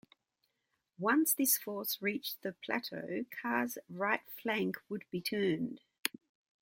Once this force reached the plateau, Carr's right flank would be turned.